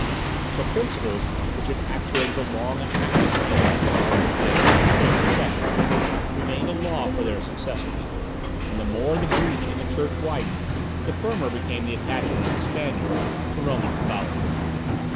The principles which had actuated the long and active reigns of Charles V. and Philip the Second, remained a law for their successors; and the more the breach in the church widened, the firmer became the attachment of the Spaniards to Roman Catholicism.